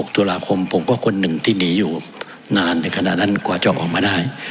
ตุลาคมผมก็คนหนึ่งที่หนีอยู่นานในขณะนั้นกว่าจะออกมาได้